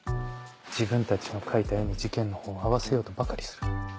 自分たちの描いた絵に事件のほうを合わせようとばかりする。